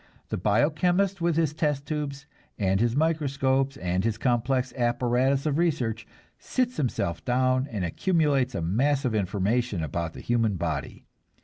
The bio chemist with his test tubes and his microscopes and his complex apparatus of research sits himself down and accumulates a mass of information about the human body.